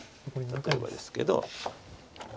例えばですけど。